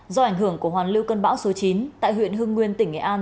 do ảnh hưởng của hoàn lưu cân bão số chín tại huyện hương nguyên tỉnh nghệ an